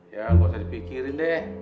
ya nggak usah dipikirin deh